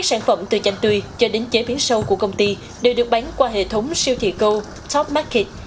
sản phẩm từ chanh tươi cho đến chế biến sâu của công ty đều được bán qua hệ thống siêu thị cầu top market